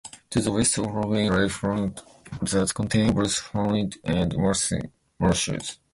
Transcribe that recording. To the west of Logan lie flatlands that contain both farmland and marshes.